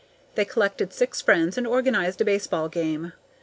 They collected six friends and organized a baseball game.